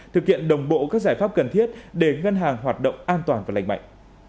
thực hiện đồng bộ các giải pháp cần thiết để ngân hàng hoạt động an toàn và lành mạnh